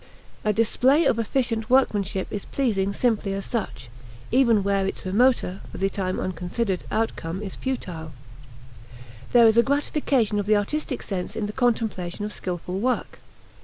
A display of efficient workmanship is pleasing simply as such, even where its remoter, for the time unconsidered, outcome is futile. There is a gratification of the artistic sense in the contemplation of skillful work.